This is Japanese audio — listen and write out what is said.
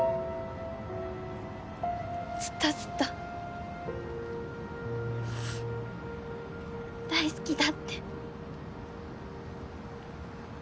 ずっとずっとううっ大好きだって。